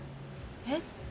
えっ。